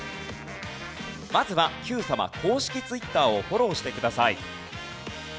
まずは『Ｑさま！！』公式ツイッターをフォローしてください。